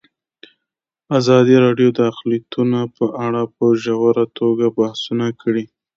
ازادي راډیو د اقلیتونه په اړه په ژوره توګه بحثونه کړي.